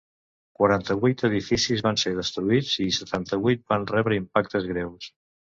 Quaranta-vuit edificis van ser destruïts i setanta-vuit van rebre impactes greus.